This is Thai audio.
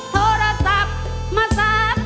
โทรศัพท์มาซับ